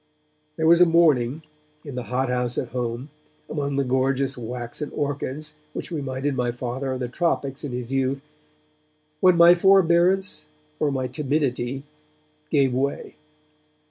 There was a morning, in the hot house at home, among the gorgeous waxen orchids which reminded my Father of the tropics in his youth, when my forbearance or my timidity gave way.